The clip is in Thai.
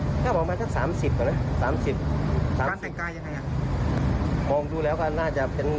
การแต่งกายยังไงอ่ะมองดูแล้วก็น่าจะเป็น